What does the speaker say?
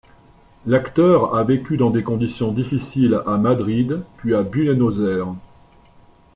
L'acteur a vécu dans des conditions difficiles à Madrid puis à Buenos Aires.